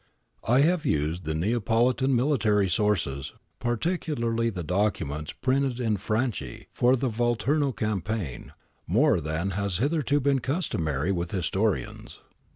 I have used the Neapolitan military sources, particu larly the documents printed in Fraud for the Volturno campaign, more than has hitherto been customary with historians.